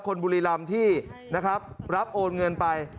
บุรีรำที่นะครับรับโอนเงินไป